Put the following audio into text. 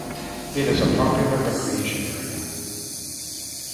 It is a popular recreation area.